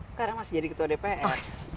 sekarang masih jadi ketua dpr